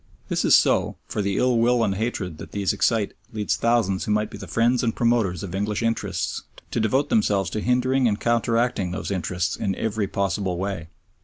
This is so, for the ill will and hatred that these excite leads thousands who might be the friends and promoters of English interests to devote themselves to hindering and counteracting those interests in every possible way.